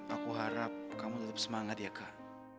aku harap kamu tetap semangat ya kak